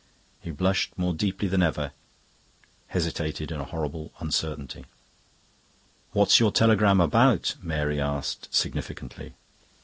He blushed more deeply than ever, hesitated in a horrible uncertainty. "What's your telegram about?" Mary asked significantly.